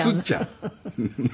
フフフフ。